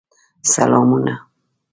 سلامونه